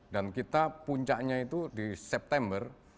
dan kita puncaknya itu di september